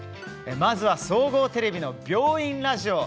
まずは、総合テレビの「病院ラジオ」。